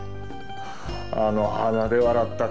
あの鼻で笑った顔。